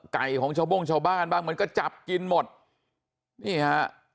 ของชาวโบ้งชาวบ้านบ้างมันก็จับกินหมดนี่ฮะ